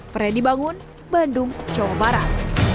freddy bangun bandung jawa barat